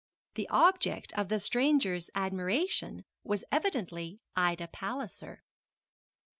The object of the stranger's admiration was evidently Ida Palliser.